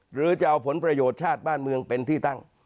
หรือจะเอาผลประโยชน์ชาติบ้านเมืองเป็นที่ตั้ง